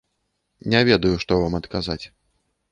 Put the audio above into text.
Не ведаю, што вам адказаць.